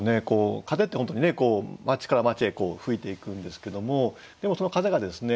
風って本当に町から町へ吹いていくんですけどもでもその風がですね